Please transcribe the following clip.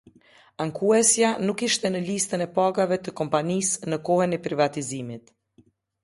Ankuesja nuk ishte në listën e pagave të kompanisë në kohën e privatizimit.